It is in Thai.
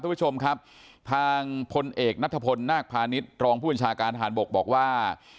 ท่านผู้ชมครับทางพลเอกนัฐพลนาภานิษฐ์รองผู้บริญชาการฐานบกบอกว่า